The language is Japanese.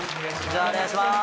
お願いします